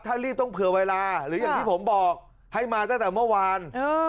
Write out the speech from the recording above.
ถ้ารีบต้องเผื่อเวลาหรืออย่างที่ผมบอกให้มาตั้งแต่เมื่อวาน